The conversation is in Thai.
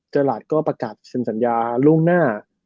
ตลาดก็ประกาศเซ็นสัญญาล่วงหน้า